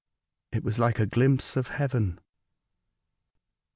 It was like a glimpse of heaven."